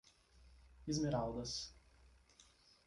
Esmeraldas